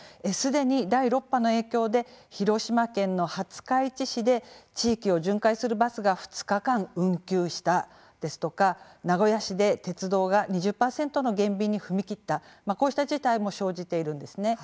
すでに第６波の影響で広島県の廿日市市で地域を巡回するバスが２日間、運休したですとか名古屋市で鉄道が２０％の減便に踏み切った、こうした事態も生じているんです。